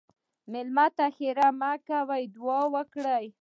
مېلمه ته ښیرا مه کوه، دعا وکړه.